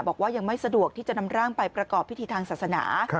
บอกว่ายังไม่สะดวกที่จะนำร่างไปประกอบพิธีทางศาสนา